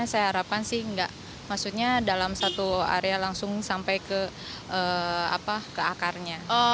saya harapkan dalam satu area langsung sampai ke akarnya